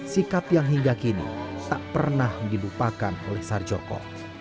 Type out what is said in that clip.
sikap yang hingga kini tak pernah dilupakan oleh sarjoko